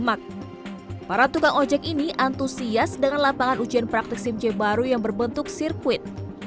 para tukang ojek ini antusias dengan lapangan ujian praktik simc baru yang berbentuk sirkuit